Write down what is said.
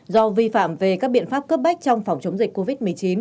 do vi phạm về các biện pháp cấp bách trong phòng chống dịch covid một mươi chín